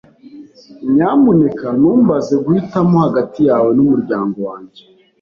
Nyamuneka ntumbaze guhitamo hagati yawe n'umuryango wanjye.